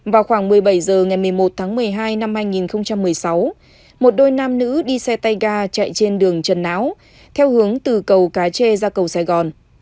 vào khoảng một mươi bảy h ngày một mươi một tháng một mươi hai năm hai nghìn một mươi sáu một đôi nam nữ đi xe tay ga chạy trên đường trần não theo hướng từ cầu cái chê ra cầu sài gòn